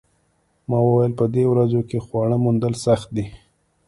ما وویل په دې ورځو کې خواړه موندل سخت دي